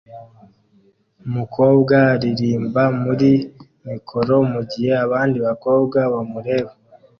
Umukobwa aririmba muri mikoro mugihe abandi bakobwa bamureba